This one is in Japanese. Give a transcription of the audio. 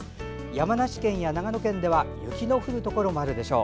山梨県や長野県では雪の降るところもあるでしょう。